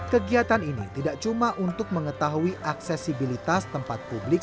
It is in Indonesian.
kegiatan ini tidak cuma untuk mengetahui aksesibilitas tempat publik